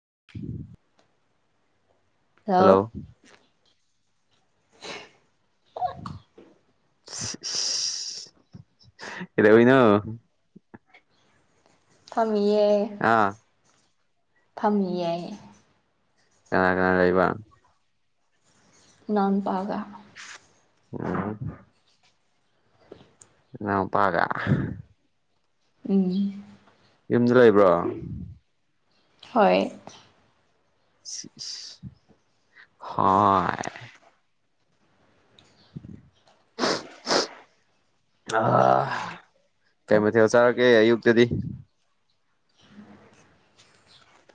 [inaudible] ꯍ ꯍꯜꯂꯣ [unintelligible] ꯗꯅ ꯐꯝꯃꯤꯌꯦ ꯐꯝꯃꯤꯌꯦ ꯀꯅꯥ ꯀꯅꯥ ꯂꯩꯕ ꯥꯟ ꯄꯥꯒ ꯑꯣꯝ ꯄꯥꯒ ꯎ ꯌꯨꯝꯗ ꯂꯩꯕ꯭ꯔꯣ ꯍꯣꯏ ꯍꯣꯏ ꯑ ꯀꯃꯦ ꯊꯣ ꯆꯔꯣ ꯀ ꯑꯨꯕꯛꯇꯗꯤ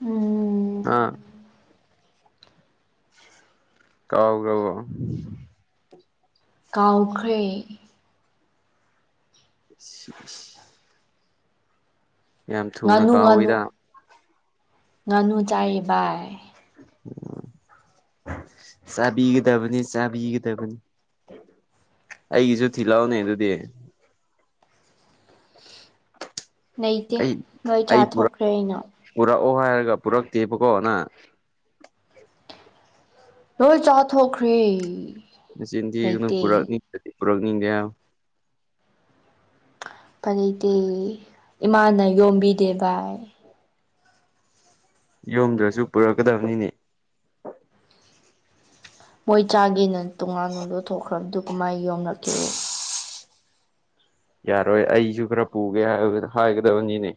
ꯎꯝ ꯑꯥ ꯀꯥꯎ ꯀꯥꯎ ꯀꯥꯎꯈ꯭ꯔꯦ [unintelligible] ꯌꯥꯝ ꯊꯨꯅ ꯀꯥꯎꯋꯤꯗ ꯉꯅꯨ ꯆꯥꯏꯌꯦ ꯚꯥꯏ [inaudible] ꯆꯥꯕꯤꯒꯗꯕꯅꯤ ꯆꯥꯕꯤꯒꯗꯕꯅꯤ ꯑꯩꯒꯤꯁꯨ ꯊꯤꯜꯂꯑꯣꯅꯦ ꯑꯗꯨꯗꯤ ꯂꯩꯇꯦ ꯑꯩ ꯅꯣꯏ ꯆꯥꯊꯣꯛꯈ꯭ꯔꯦ ꯑꯩꯅ ꯑꯣꯧ ꯍꯥꯏꯔꯒ ꯄꯨꯔꯛꯇꯦꯕꯀꯣ ꯅꯪ ꯅꯣꯏ ꯆꯥꯊꯣꯛꯈ꯭ꯔꯦ ꯆꯤꯟꯊꯤ ꯂꯩꯇꯦ ꯄꯨꯔꯛꯅꯤꯡꯗ꯭ꯔꯗꯤ ꯄꯨꯔꯛꯅꯤꯡꯗꯦ ꯐꯔꯗꯤꯦ ꯏꯃꯥꯅ ꯌꯣꯝꯕꯤꯗꯦ ꯚꯥꯏ ꯌꯣꯝꯗ꯭ꯔꯁꯨ ꯄꯨꯔꯛꯀꯗꯕꯅꯤꯅꯦ ꯃꯣꯏ ꯆꯥꯒꯦꯅ ꯇꯣꯉꯥꯟꯅꯣ ꯂꯧꯣꯊꯣꯛꯈ꯭ꯔꯕꯗꯨ ꯀꯃꯥꯏꯅ ꯌꯣꯝꯡꯂꯛꯈꯤꯔꯣ ꯌꯥꯔꯣꯏ ꯑꯩꯁꯨ ꯈꯔ ꯄꯨꯒꯦ ꯍꯥꯏꯒꯗꯕꯅꯤꯅꯦ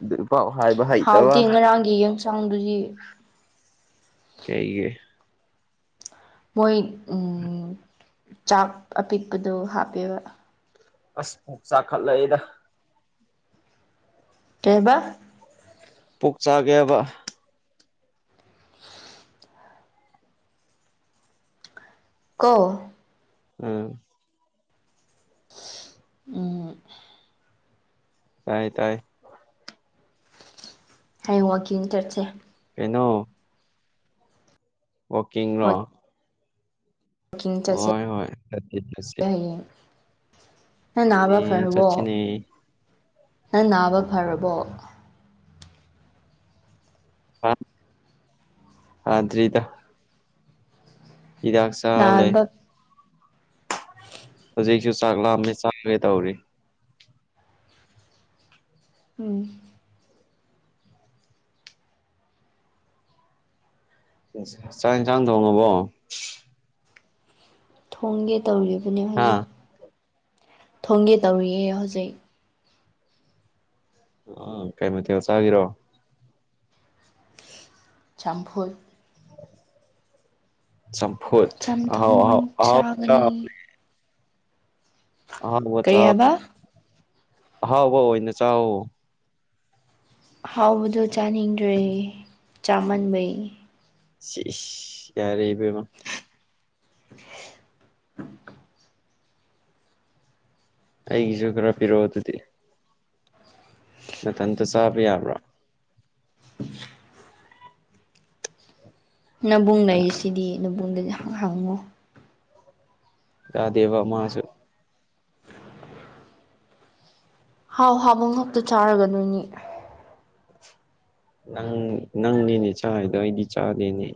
ꯑꯗꯨ ꯄꯥꯎ ꯍꯥꯏꯕ ꯍꯩꯇꯕ ꯍꯥꯎꯇꯦ ꯉꯔꯥꯡꯒꯤ ꯌꯦꯟꯁꯥꯡꯗꯨꯗꯤ ꯀꯏꯒꯦ ꯃꯣꯏ ꯆꯥꯛ ꯑꯄꯤꯛꯄꯗꯣ ꯍꯥꯞꯄꯤꯦꯕ ꯑꯁ ꯆꯥꯈꯠꯂꯦꯗ ꯀꯦꯕ ꯄꯨꯛ ꯆꯥꯒꯦꯕ ꯀꯣ ꯎꯝ ꯎꯝ ꯇꯥꯏ ꯇꯥꯏ ꯍꯌꯦꯡ ꯋꯥꯀꯤꯡ ꯆꯠꯁꯦ ꯀꯩꯅꯣ ꯋꯥꯀꯤ꯭ꯔꯣ ꯄꯀꯤꯡ ꯆꯁꯦ ꯆꯠꯁꯤ ꯆꯠꯁꯤ ꯍꯥꯏꯌꯦ ꯅꯪ ꯍꯣꯏꯅꯦ ꯅꯥꯕ ꯐꯔꯕꯣ ꯆꯠꯁꯤꯅꯦ ꯅꯪ ꯅꯥꯕ ꯐꯔꯕꯣ ꯑ ꯑꯗꯔꯤꯗ ꯏꯗꯥꯛ ꯆꯥ ꯂꯩꯦ ꯅꯥꯕ ꯍꯧꯖꯤꯛꯁꯨ ꯆꯥꯛꯂꯥꯛꯑꯝꯃꯤ ꯆꯥꯛꯒꯦ ꯇꯧꯔꯤ ꯎꯝ ꯆꯥꯡꯟ ꯆꯥꯡ ꯊꯣꯡꯉꯕꯣ ꯊꯣꯡꯒꯦ ꯇꯧꯔꯤꯕꯅꯦ ꯍꯥ ꯍꯧꯖꯤꯛ ꯊꯣꯡꯒꯦ ꯇꯧꯔꯤꯑꯦ ꯍꯧꯖꯤꯛ ꯑ ꯀꯩꯃ ꯊ ꯆꯒꯤꯔꯣ ꯆꯝꯐꯣꯏ ꯆꯐ ꯑꯍꯥꯎ ꯑꯥꯎ ꯆꯝꯊꯣꯡ ꯑꯍꯥꯎ ꯆꯥꯒꯅꯤ ꯍꯥꯎ ꯋꯥ ꯆ ꯀꯔꯤ ꯍꯥꯏꯕ ꯍꯥꯎ ꯋꯥꯅꯦ ꯆ ꯍꯥꯎꯕꯗꯣ ꯆꯥꯅꯤꯡꯗ꯭ꯔꯦ ꯆꯥꯃꯟꯕꯩ ꯁꯤ ꯌꯥꯔꯦ ꯏꯕꯕ [inaudible] ꯑꯩꯒꯤꯁꯨ ꯈꯔ ꯄꯤꯔꯛꯑꯣ ꯑꯗꯨꯗꯤ ꯃꯊꯟꯇ ꯆꯥꯕ ꯌꯥꯕ꯭ꯔꯥ ꯅꯕꯨꯡ ꯂꯩ ꯁꯤꯗꯤ ꯅꯕꯨꯡꯗꯗꯤꯪ ꯍꯪꯉꯣ ꯌꯥꯗꯦꯕ ꯃꯥꯁꯨ ꯍꯥꯎ ꯍꯥꯕꯨꯡ ꯈꯛꯇ ꯆꯥꯔꯒꯗꯣꯏꯅꯤ ꯅꯪ ꯅꯪꯅꯦꯅꯦ ꯆꯥ ꯍꯥꯏꯗꯣ ꯑꯩꯗꯤ ꯆꯥꯗꯦꯅꯦ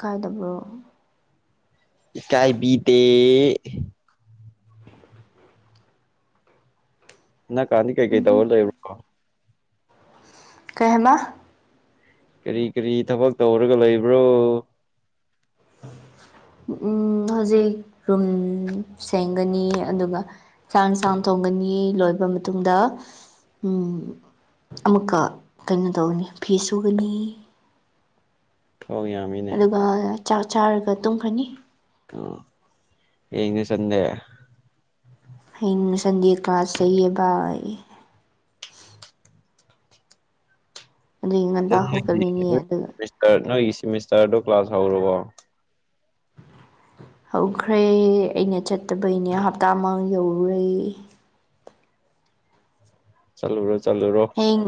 ꯀꯥꯏꯗꯕ꯭ꯔꯣ ꯀꯥꯏ ꯤꯇꯦ ꯅ ꯀꯥꯟꯅꯤ ꯀꯩ ꯀꯩ ꯎꯝ ꯇꯧꯂ ꯀꯍꯃ ꯀꯔꯤ ꯀꯔꯤ ꯊꯕꯛ ꯇꯧꯔꯒ ꯂꯩꯕ꯭ꯔꯣ [inaudible] ꯎꯝ ꯍꯧꯖꯤꯛ ꯔꯨꯝ ꯁꯦꯡꯒꯅꯤ ꯑꯗꯨꯒ ꯆꯥꯅ ꯆꯥꯝꯅꯊꯣꯛ ꯣꯡꯅꯤ ꯂꯣꯏꯕ ꯃꯇꯨꯡꯗ ꯎ ꯑꯃꯨꯛꯀ ꯀꯩꯅꯣ ꯇꯧꯅꯤ ꯐꯤ ꯁꯨꯒꯅꯤ [inaudible] ꯁꯣꯡ ꯌꯥꯝꯃꯤꯅꯦ ꯑꯗꯨꯒ ꯆꯥꯛ ꯆꯥꯔꯒ ꯇꯨꯝ ꯐꯅꯤ ꯌꯦꯅꯤ ꯆꯗꯦ ꯑꯩꯅꯅꯨꯡ ꯁꯟꯗꯦ ꯀ꯭ꯂꯥꯁ ꯂꯩꯌꯦ ꯚꯏ ꯉꯟꯇꯥ ꯑꯗꯨ ꯍꯧꯒꯠꯂꯅꯤ ꯑꯗꯨꯒ ꯅꯒꯤ ꯅꯣꯏꯒꯤ ꯁꯤꯦꯃꯤꯁꯇꯔꯗꯣ ꯀ꯭ꯂꯥꯁ ꯍꯧꯔꯕꯣ ꯍꯧꯈ꯭ꯔꯦ ꯑꯩꯅ ꯆꯠꯇꯕꯩꯅꯦ ꯍꯞꯇꯥ ꯃ ꯌꯧꯔꯨꯔꯦ ꯆꯠꯂꯨꯔꯣ ꯆꯠꯂꯨꯔꯣ ꯍꯌꯦꯡ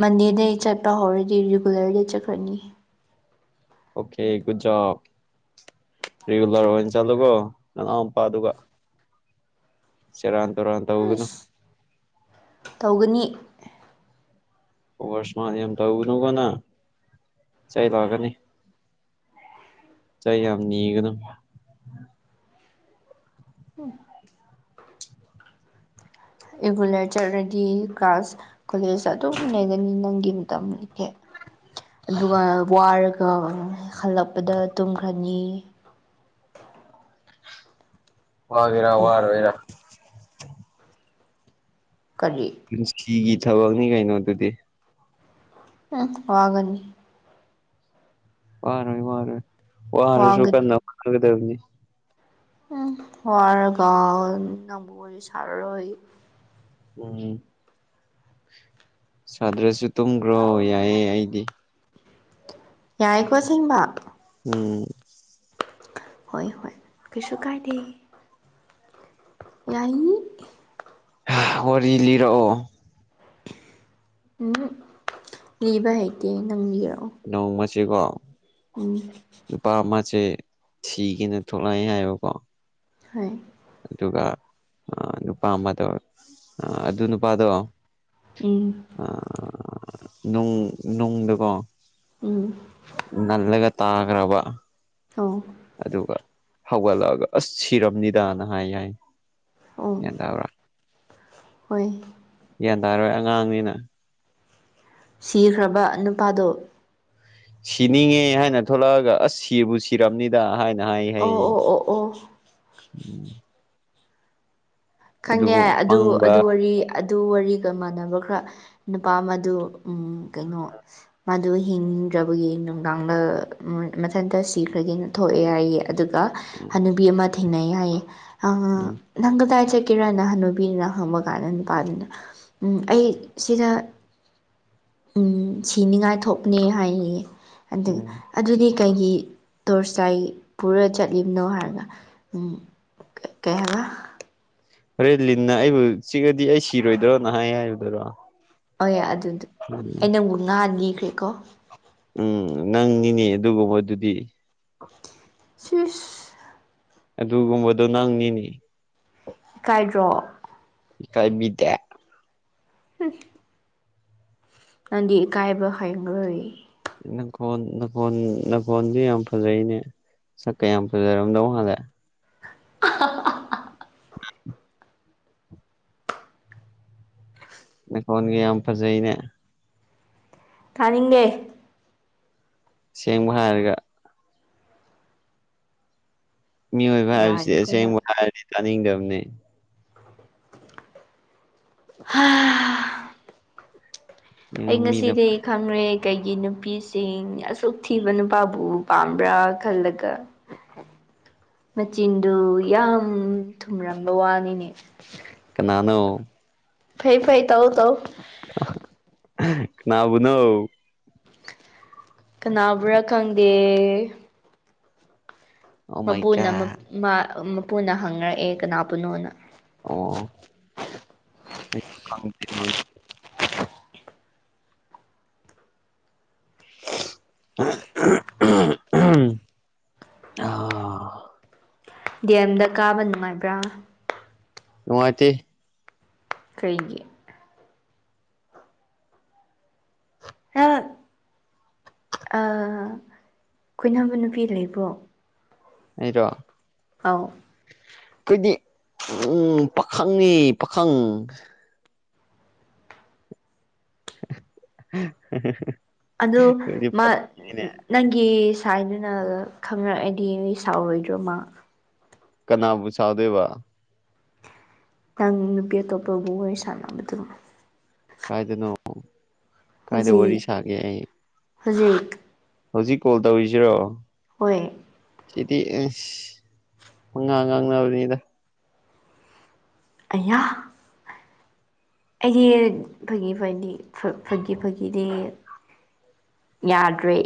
ꯃꯟꯗꯦꯗꯩ ꯆꯠꯄ ꯍꯧꯔꯗꯤ ꯔꯤꯒꯨꯂꯔꯗ ꯆꯠꯈ꯭ꯔꯅꯤ ꯑꯣꯀꯦ ꯨꯖꯔꯥ ꯔꯤꯒꯨꯂꯔ ꯑꯣꯏꯅ ꯆꯠꯂꯨꯀꯣ ꯅꯅꯥꯎ ꯃꯄꯥ ꯑꯗꯨꯒ ꯁꯤꯦ ꯔ ꯇꯔ ꯇ ꯎꯒꯅ ꯏꯁ ꯇꯧꯒꯅꯤ ꯑꯣꯁꯃꯥꯟ ꯌꯥꯝ ꯇꯧꯅꯨꯀꯅ ꯆꯩ ꯂꯥꯛꯀꯅꯤ ꯆꯥꯏ ꯌꯥꯝꯅꯤ ꯀ ꯑꯗꯨꯝ ꯎꯝ ꯔꯤꯒꯨꯂꯔ ꯆꯠꯂꯗꯤ ꯀ꯭ꯂꯥꯁ ꯀꯣꯂꯦꯖ ꯑꯗꯨꯝ ꯂꯩꯒꯅꯤ ꯅꯪꯒꯤ ꯃꯇꯝ ꯑꯣꯀꯦ ꯑꯗꯨꯒ ꯋꯥꯔ ꯍꯜꯂꯛꯄꯗ ꯇꯨꯝꯈ꯭ꯔꯅꯤ ꯋꯥꯒꯦꯔ ꯋꯥ ꯔꯣꯏꯔ ꯀꯔꯤ ꯄꯨꯟꯁꯤꯒꯤ ꯊꯕꯛꯅꯤ ꯀꯩꯅꯣ ꯑꯗꯨꯗꯤ ꯑ ꯋꯥꯒꯅꯤ ꯋꯥꯔꯣꯏ ꯋꯥꯔꯣꯏ ꯋꯥꯔꯦꯁꯨꯨ ꯀꯟꯅ ꯒꯗꯝꯅꯤ ꯎꯝ ꯋꯥꯔꯒ ꯅꯪꯕꯨ ꯋꯥꯔꯤ ꯁꯥꯔꯔꯣꯏ ꯎꯝ ꯁꯥꯗ꯭ꯔꯁꯨ ꯇꯨꯝꯈ꯭ꯔꯣ ꯌꯥꯏꯑꯦ ꯑꯩꯗꯤ ꯌꯥꯏꯀꯣ ꯁꯦꯡꯕ ꯎꯝ ꯍꯣꯏ ꯍꯣꯏ ꯀꯩꯁꯨ ꯀꯥꯏꯗꯦ ꯌꯥꯏꯅꯤ ꯋꯥꯔꯤ ꯂꯤꯔꯛꯑꯣ ꯎꯝ ꯂꯤꯕ ꯍꯩꯇꯦ ꯅꯪ ꯂꯤꯔꯣ ꯅꯣꯡꯃꯁꯤꯀꯣ ꯅꯨꯨꯄꯥ ꯑꯃꯁꯦ ꯁꯤꯒꯤꯅꯦ ꯊꯣꯛꯂꯛꯑꯦ ꯍꯥꯏꯕꯀꯣ ꯍꯥꯏ ꯑꯗꯨꯒ ꯅꯨꯄꯥ ꯑꯃꯗꯣ ꯑꯗꯨ ꯅꯨꯄꯥꯗꯣ ꯎꯝ ꯅꯨꯡ ꯅꯨꯡꯗꯀꯣ ꯎꯝ ꯇꯥꯒꯔ꯭ꯕ ꯑꯣ ꯑꯗꯨꯒ ꯍꯧꯒꯠꯂꯛꯑꯒ ꯑꯁ ꯁꯤꯔꯝꯅꯤꯗꯅ ꯍꯥꯏ ꯌꯥꯏ ꯑꯣ ꯌꯥꯟ ꯇꯕ꯭ꯔꯥ ꯍꯣꯏ ꯒ꯭ꯌꯥꯟ ꯇꯥꯔꯣꯏ ꯑꯉꯥꯡꯅꯤꯅ ꯁꯤꯈ꯭ꯔꯕ ꯅꯨꯄꯥꯗꯣ ꯁꯤꯅꯤꯡꯉꯦ ꯍꯥꯏꯅ ꯊꯣꯛꯂꯛꯑꯒ ꯑꯁ ꯁꯤꯕꯨ ꯁꯤꯔꯕꯝꯅꯤꯗ ꯍꯥꯏꯅ ꯅ ꯍꯥꯏ ꯑꯣ ꯍꯥꯏꯌꯦ ꯑꯣ ꯑꯣ ꯑꯣ ꯈꯪꯉꯦ ꯑꯗꯨ ꯄꯪꯕ ꯑꯗꯨ ꯋꯥꯔꯤ ꯑꯠ ꯗꯨ ꯋꯥꯔꯤꯒ ꯃꯥꯟꯅꯕ ꯈꯔ ꯅꯨꯄꯥ ꯑꯃꯗꯨ ꯀꯩꯅꯣ ꯃꯥꯗꯨ ꯍꯤꯡꯗ꯭ꯔꯕꯒꯤ ꯅꯨꯡꯗꯥꯡꯗ ꯃꯊꯟꯇ ꯁꯤꯈ꯭ꯔꯒꯦꯅ ꯊꯣꯛꯑꯦ ꯍꯥꯏꯌꯦ ꯑꯗꯨꯒ ꯎꯝ ꯍꯅꯨꯕꯤ ꯑꯃ ꯊꯦꯡꯅꯩ ꯌꯥꯏꯌꯦ ꯎꯝ ꯅꯪ ꯀꯗꯥꯏ ꯀꯦꯔ ꯅ ꯍꯅꯨꯕꯤꯅ ꯍꯪꯕ ꯀꯥꯟꯗ ꯅꯨꯄꯥꯗꯨꯅ ꯎꯝ ꯑꯩ ꯁꯤꯗ ꯎꯝ ꯁꯤꯅꯤꯉꯥꯏ ꯊꯣꯛꯄꯅꯤ ꯍꯥꯏꯌꯦ ꯑꯗꯨ ꯎꯝ ꯑꯗꯨꯗꯤ ꯀꯩꯒꯤ ꯇꯣꯔ ꯆꯥꯏ ꯄꯨꯔ ꯆꯠꯂꯤꯕꯅꯣ ꯍꯥꯏꯔꯒ ꯎꯝ ꯀ ꯀꯩ ꯍꯥꯏꯕ ꯍꯔꯦ ꯂꯤꯟꯅ ꯑꯩꯕꯨ ꯆꯤꯛꯉꯗꯤ ꯑꯩ ꯁꯤꯔꯣꯏꯗ꯭ꯔꯣꯅ ꯍꯥꯏ ꯍꯥꯏꯕꯗꯨꯔꯣ ꯑꯣ ꯌꯥ ꯑꯗꯨꯗꯤ ꯑꯩ ꯅꯪꯕꯨꯛ ꯉꯅꯤꯈ꯭ꯔꯦꯀꯣ ꯎꯝ ꯅꯪꯅꯤꯅꯦ ꯑꯗꯨꯒꯨꯝꯕꯗꯨꯗꯤ ꯁꯤꯁ ꯑꯗꯨꯒꯨꯝꯕꯗꯣ ꯅꯪꯅꯤꯅꯦ ꯀꯥꯏꯗ꯭ꯔꯣ ꯏꯀꯥꯏ ꯕꯤꯗꯦ ꯍꯨꯝ ꯅꯪꯗꯤ ꯏꯀꯥꯏꯕ ꯍꯩꯔꯣꯏ ꯅꯪꯀꯣꯜ ꯅꯀꯣꯟ ꯅꯪꯀꯣꯟꯁ ꯌꯥꯝ ꯐꯖꯩꯅꯦ ꯁꯛꯀꯌꯥꯝ ꯐꯖꯔꯝꯗꯧ ꯃꯥꯂꯦ [unintelligible] ꯅ ꯈꯣꯟ ꯒ ꯌꯥꯝ ꯐꯖꯩꯅꯦ ꯀꯥꯅꯤꯡꯒꯦ ꯁꯦꯡꯕ ꯍꯥꯏꯔꯒ ꯃꯤꯑꯣꯏꯕ ꯍꯥꯏꯕꯁꯤ ꯌꯥꯔꯦꯀꯣ ꯅꯪ ꯑꯁꯦꯡꯕ ꯍꯥꯏꯔꯗꯤ ꯇꯥꯅꯤꯡꯗꯕꯅꯤ ꯍꯥ ꯑꯩ ꯃꯤꯅ ꯉꯁꯤꯗꯤ ꯈꯪꯅꯦ ꯀꯩꯒꯤ ꯅꯨꯄꯤꯁꯤꯡ ꯑꯁꯨꯛ ꯊꯤꯕ ꯅꯨꯄꯥꯕꯨ ꯄꯥꯝꯕ꯭ꯔꯥ ꯈꯜꯂꯒ [inaudible] ꯃꯆꯤꯟꯗꯨ ꯌꯥꯝ ꯊꯨꯝꯔꯝꯕ ꯋꯥꯅꯤꯅꯦ ꯅꯅꯨ ꯐꯩ ꯐꯩ ꯇꯧ ꯇꯧ ꯅꯅꯥꯕꯨꯅꯧ ꯀꯅꯥꯕ꯭ꯔꯥ ꯈꯪꯗꯦ ꯑꯣ ꯃꯥꯏ ꯃꯄꯨꯅ ꯒꯣꯗ ꯃꯄꯨꯅ ꯍꯪꯅꯔꯛꯑꯦ ꯀꯅꯥꯕꯨꯅꯣꯅ ꯑꯣ ꯎꯝ ꯑ ꯗꯤ ꯑꯦꯝꯗ ꯀꯥꯕ ꯅꯨꯡꯉꯥꯏꯕ꯭ꯔꯥ ꯅꯨꯡꯉꯥꯏꯇ ꯀꯩꯒꯤꯦ [unintelligible] ꯑꯩꯈꯣꯏꯅꯥꯝꯕ ꯅꯨꯄꯤ ꯂꯩꯕ꯭ꯔꯣ ꯑꯩꯔꯣ ꯑꯥꯎ ꯑꯩꯈꯣꯏꯗꯤ ꯎꯝ ꯄꯥꯈꯪꯅꯤ ꯄꯥꯈꯪ [unintelligible] ꯑꯗꯣ ꯑꯩꯈꯣꯏꯗꯤ ꯃꯥ ꯄꯥꯈꯪꯅꯤꯅꯦ ꯅꯪꯒꯤ ꯁꯥꯏꯗꯨꯅ ꯈꯪꯉꯛꯑꯗꯤ ꯑꯩ ꯁꯥꯎꯔꯣꯏꯗ꯭ꯔꯣꯃ ꯀꯅꯥꯕꯨ ꯁꯥꯎꯗꯦꯕ ꯅꯪ ꯅꯨꯄꯤ ꯑꯇꯣꯞꯄꯕꯨ ꯋꯥꯔꯤ ꯁꯥꯟꯅꯕꯗꯨꯝ ꯀꯥꯏꯗꯅꯣ ꯀꯥꯏꯗ ꯋꯥꯔꯤ ꯍꯧꯖꯤꯛ ꯁꯥꯒꯦ ꯑꯩ ꯍꯧꯖꯤꯛ ꯍꯧꯖꯤꯛ ꯀꯣꯜ ꯇꯧꯔꯤꯁꯤꯔꯣ ꯍꯣꯏ ꯆꯦꯇꯤ ꯃꯉꯥ ꯉꯥꯡꯅꯕꯅꯤꯗ ꯑꯌꯥ ꯑꯩꯗꯤ ꯐꯒꯤ ꯐꯅꯤ ꯐꯒꯤ ꯐꯒꯤꯅꯦ ꯌꯥꯗ꯭ꯔꯦ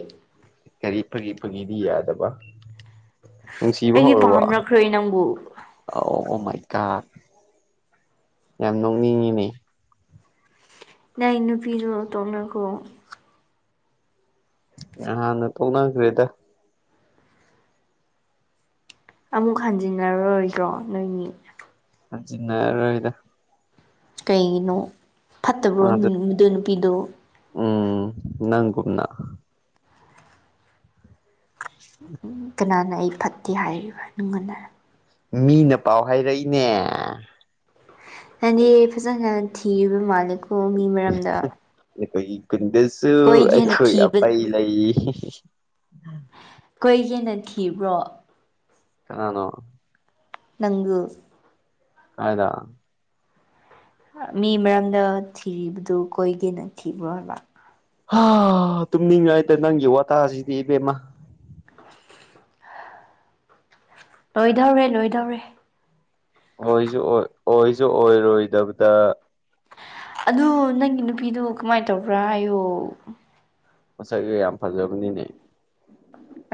ꯀꯔꯤ ꯐꯒꯤ ꯐꯒꯤꯗꯤ ꯌꯥꯗꯕ ꯅꯨꯡꯁꯤꯕ ꯑꯩꯗꯤ ꯍꯧꯔꯔꯕ ꯄꯥꯝꯔꯛꯈ꯭ꯔꯦ ꯅꯪꯕꯨ ꯑ ꯃꯥꯏ ꯀꯥ ꯌꯥꯝ ꯅꯣꯛꯅꯤꯡꯉꯤꯅ ꯅ ꯅꯨꯄꯤꯤꯁꯨꯣ ꯇꯧꯅꯈꯣ ꯍꯥꯟ ꯅ ꯇꯧꯅꯈꯦꯗ ꯑꯃꯨꯛ ꯍꯟꯖꯤꯟꯅꯔꯣꯏꯗ꯭ꯔꯣ ꯅꯣꯏꯅꯤ ꯖꯤꯅ ꯔꯍꯤꯗ ꯀꯩꯒꯤꯅꯣ ꯐꯠꯇꯕ꯭ꯔꯣ ꯃꯥꯗꯣ ꯅꯨꯄꯤꯗꯣ ꯎꯝ ꯅꯪ ꯀꯨꯝꯅꯥ ꯎꯝ ꯀꯅꯥꯅ ꯑꯩ ꯐꯠꯇꯦ ꯍꯥꯏꯔꯤꯕ ꯅꯨꯡꯉꯟꯅ ꯃꯤꯅ ꯄꯥꯎ ꯍꯥꯏꯔꯛꯏꯅꯦ ꯅꯅꯦꯦ ꯐꯖꯅ ꯊꯤꯔꯤꯕ ꯃꯥꯂꯦꯀꯣ ꯃꯤ ꯃꯔꯝꯗ ꯑꯩꯈꯣꯏ ꯀꯨꯟꯗꯁꯨ ꯀꯣꯏꯒꯦꯅ ꯑꯩꯈꯣꯏ ꯊꯤꯕ ꯑꯄꯩ ꯂꯩ ꯀꯣꯏꯒꯤꯦꯟꯅ ꯊꯤꯕ꯭ꯔꯣ ꯀꯅꯣ ꯅꯪꯒꯨ ꯍꯥꯏꯗ ꯃꯤ ꯃꯔꯝꯗ ꯊꯤꯔꯤꯕꯗꯨ ꯀꯣꯏꯒꯦꯅ ꯊꯤꯕ꯭ꯔꯣꯕ ꯇꯨꯝꯅꯤꯡꯉꯥꯏꯇ ꯅꯪꯒꯤ ꯋꯥꯇꯥꯁꯤꯗꯤ ꯏꯕꯦꯝꯃ ꯂꯣꯏꯗꯧꯔꯦ ꯂꯣꯏꯗꯧꯔꯦ ꯑꯣꯏꯁꯨ ꯑꯣꯏ ꯑꯣꯏꯁꯨ ꯑꯣꯏꯔꯣꯏꯗꯕꯗ ꯑꯗꯨ ꯅꯪꯒꯤ ꯅꯨꯄꯤꯗꯨꯣ ꯀꯃꯥꯏꯅ ꯇꯧꯕ꯭ꯔꯥ ꯑꯌꯨ ꯃꯁꯥꯏꯒꯤ ꯌꯥꯝ ꯐꯖꯒꯅꯤꯅꯦ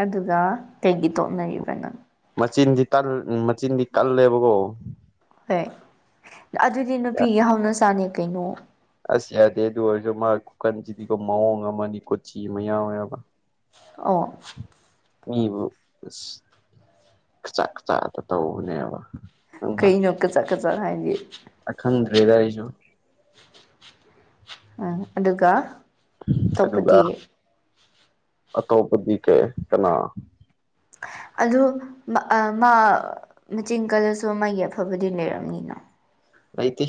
ꯑꯗꯨꯒ ꯀꯩꯒꯤ ꯇꯣꯛꯅꯔꯤꯕ ꯅꯪ ꯃꯆꯤꯟꯗꯤ ꯃꯆꯤꯟꯗꯤ ꯀꯜꯂꯦꯕꯀꯣ ꯍꯣꯏ ꯑꯗꯨꯗꯤ ꯅꯨꯄꯤꯒꯤ ꯍꯧꯅ ꯆꯥꯅꯤ ꯀꯩꯅꯣ ꯑꯁ ꯌꯥꯗꯦ ꯑꯗꯨ ꯑꯣꯏꯔꯁꯨ ꯃꯥ ꯀꯀꯟꯁꯤꯗꯤꯀ ꯃꯑꯣꯡ ꯑꯃꯅꯤ ꯀꯣꯆꯤ ꯃꯌꯥꯝ ꯃꯕ ꯑꯣ ꯃꯤꯕꯨ ꯆꯥꯛ ꯆꯥꯗ ꯇꯧꯕꯅꯦꯕ ꯀꯩꯩꯅꯣ ꯀ ꯆꯥꯛ ꯀ ꯆ ꯍꯥꯏꯗꯤꯦ ꯑꯈꯟ ꯔꯦꯒꯥꯔꯤꯁꯨ ꯎꯝ ꯑꯗꯨꯒ ꯑꯗꯨꯒ ꯑꯇꯣꯞꯄꯗꯤ ꯑꯇꯣꯞꯄꯗꯤ ꯀꯦ ꯀꯅꯥ ꯑꯗꯨ ꯃꯥ ꯃꯆꯤꯟ ꯀꯜꯂꯁꯨ ꯃꯥꯒꯤ ꯑꯐꯕꯗꯤ ꯂꯩꯔꯝꯃꯤꯅꯣ ꯂꯩꯇꯦ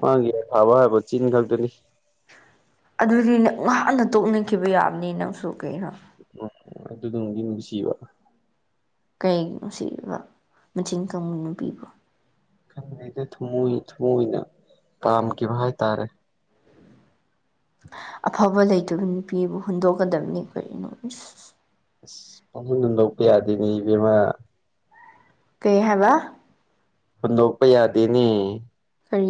ꯃꯥꯒꯤ ꯑ ꯊꯥꯕ ꯍꯥꯏꯕ ꯆꯤꯟ ꯈꯛꯇꯅꯤ ꯑꯗꯨꯗꯤ ꯅꯪ ꯉꯍꯥꯟꯅ ꯇꯣꯛꯅꯤꯡꯈꯤꯕ ꯌꯥꯕꯅꯤ ꯅꯪꯁꯨ ꯀꯩꯅꯣ ꯎ ꯑꯗꯨꯗꯨꯃꯗꯤ ꯅꯨꯡꯁꯤꯕ ꯀꯩꯒꯤꯅꯣ ꯁꯤꯕ ꯃꯆꯤꯟ ꯀꯕꯨꯅꯄꯤꯕꯣ ꯈꯗꯤ ꯊꯨꯝꯃꯣꯏꯏ ꯊꯨꯝꯃꯣꯏꯏꯅ ꯄꯥꯝꯈꯤꯕ ꯍꯥꯏꯇꯥꯔꯦ ꯑꯐꯕ ꯂꯩꯇꯕ ꯅꯨꯄꯤꯕꯨ ꯍꯨꯟꯗꯣꯛꯀꯗꯕꯅꯤ ꯀꯔꯤꯅꯣ ꯑꯁ ꯄꯥꯈꯟꯗꯨꯝ ꯂꯧꯕ ꯌꯥꯗꯦꯅꯦ ꯏꯕꯦꯝꯃꯥ ꯀꯩ ꯍꯥꯏꯕ ꯍ ꯂꯣꯄ ꯌꯥꯗꯦꯅꯤ ꯀꯔꯤ